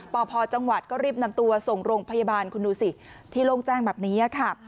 พพจังหวัดก็รีบนำตัวส่งโรงพยาบาลคุณดูสิที่โล่งแจ้งแบบนี้ค่ะ